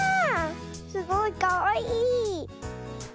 すごいかわいい。